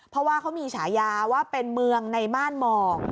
เพราะว่าเขามีฉายาว่าเป็นเมืองในม่านหมอก